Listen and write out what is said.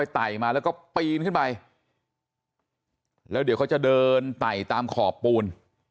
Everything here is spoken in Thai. ไต่มาแล้วก็ปีนขึ้นไปแล้วเดี๋ยวเขาจะเดินไต่ตามขอบปูน